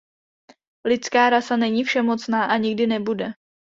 Lidská rasa není všemocná a nikdy nebude.